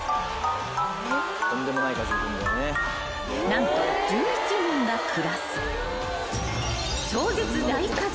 ［何と１１人が暮らす］